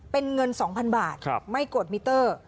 เป็นเงิน๒๐๐๐บาทไม่กดมิเตอร์